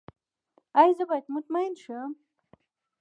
ایا زه باید مطمئن شم؟